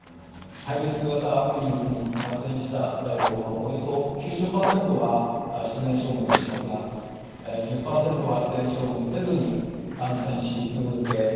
ハイリスク型ウイルスに感染した細胞のおよそ９０％は自然消滅しますが１０％は自然消滅せずに感染し続け